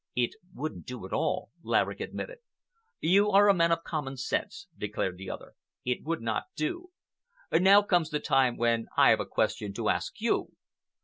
"It wouldn't do at all," Laverick admitted. "You are a man of common sense," declared the other. "It would not do. Now comes the time when I have a question to ask you.